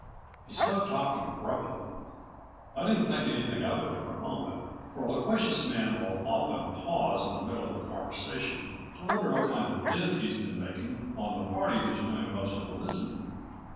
He stopped talking abruptly. I didn't think anything of it for a moment, for a loquacious man will often pause in the middle of a conversation to wonder what kind of dent he's been making on the party who's doing most of the listening.